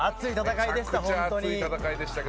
熱い戦いでした。